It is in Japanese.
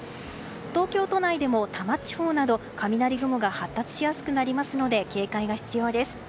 東京都内でも多摩地方など雷雲が発達しやすくなりますので警戒が必要です。